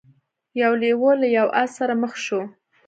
یو لیوه له یو آس سره مخ شو.